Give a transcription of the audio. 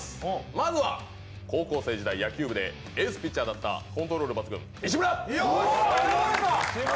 まずは、高校生時代野球部でエースピッチャーだったコントロール抜群、西村！